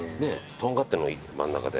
とんがってるの真ん中で。